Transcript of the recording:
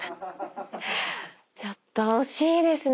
ちょっと惜しいですね。